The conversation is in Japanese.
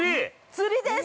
◆釣りです！